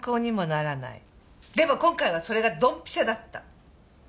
でも今回はそれがドンピシャだった。